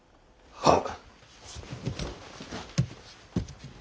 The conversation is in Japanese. はっ。